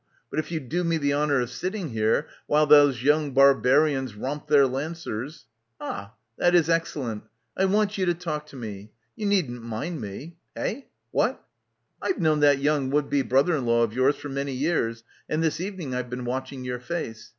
But if you do me the honour of sitting here while those young barbarians romp their Lancers? ... Ah, that is excellent — I want you to talk to me. You needn't mind me. Hey? What? I've known that young would be brother in law of yours for many years and this evening I've been watching your face.